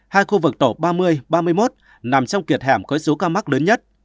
hai khu vực tổ ba mươi ba mươi một nằm trong kiệt hẻm có số ca mắc lớn nhất